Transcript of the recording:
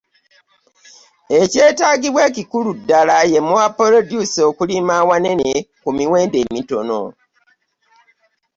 Ekyetaagibwa ekikulu ddala ye 'More Produce', okulima awanene ku miwendo emitono.